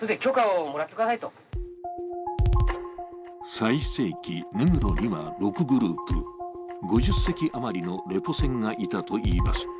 最盛期、根室には６グループ、５０隻余りのレポ船がいたといいます。